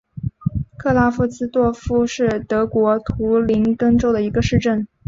克拉夫茨多夫是德国图林根州的一个市镇。